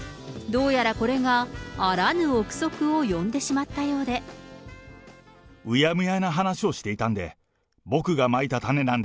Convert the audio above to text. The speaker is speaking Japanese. どうやらこれがあらぬ臆測を呼んでしまったようで。